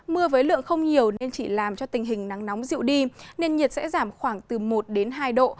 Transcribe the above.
mưa với lượng không nhiều nên chỉ làm cho tình hình nắng nóng dịu đi nên nhiệt sẽ giảm khoảng từ một đến hai độ